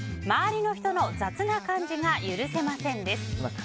周りの人の雑な感じが許せません！です。